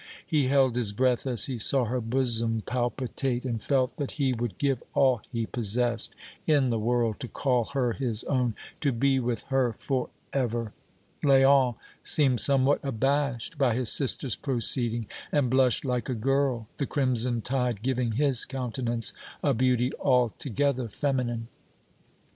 He held his breath as he saw her bosom palpitate and felt that he would give all he possessed in the world to call her his own, to be with her forever. Léon seemed somewhat abashed by his sister's proceeding and blushed like a girl, the crimson tide giving his countenance a beauty altogether feminine.